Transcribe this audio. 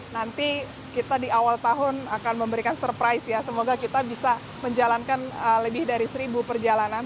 nanti kita di awal tahun akan memberikan surprise ya semoga kita bisa menjalankan lebih dari seribu perjalanan